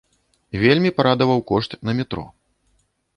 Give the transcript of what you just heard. Вельмі парадаваў кошт на метро.